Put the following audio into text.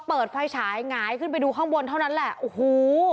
เปิดไฟฉายหงายขึ้นไปดูข้างบนเท่านั้นแหละโอ้โห